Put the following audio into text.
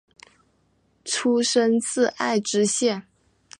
出身自爱知县。